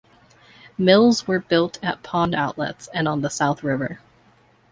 Mills were built at pond outlets and on the South River.